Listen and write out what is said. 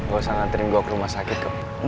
gausah nganterin gua ke rumah sakit kok